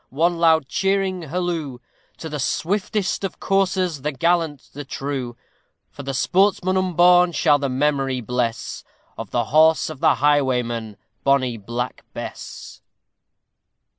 one loud cheering halloo! To the swiftest of coursers, the gallant, the true, For the sportsman unborn shall the memory bless Of the horse of the highwayman, bonny Black Bess.